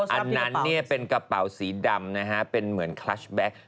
อันนั้นเป็นกระเป๋าสีดำนะฮะเป็นเหมือนคลัชแบ็ค